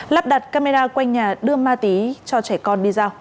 lắp đặt camera quanh nhà đưa ma túy cho trẻ con đi giao